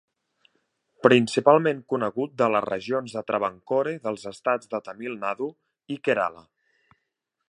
Principalment conegut de les regions de Travancore dels estats de Tamil Nadu i Kerala.